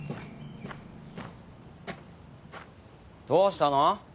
どうしたの？